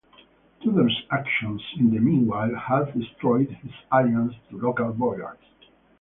Tudor's actions in the meanwhile had destroyed his alliance to local boyars.